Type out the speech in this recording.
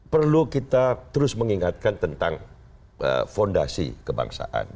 perlu kita terus mengingatkan tentang fondasi kebangsaan